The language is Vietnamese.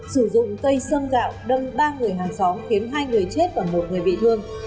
sử dụng cây sâm gạo đâm ba người hàng xóm khiến hai người chết và một người bị thương